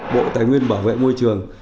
bộ tài nguyên bảo vệ môi trường